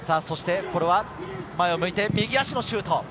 これは前を向いて、右足のシュート。